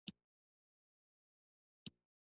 څه يې کوې؟